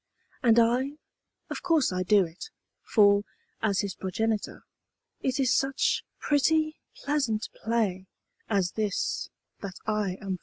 And I of course I do it; for, as his progenitor, It is such pretty, pleasant play as this that I am for!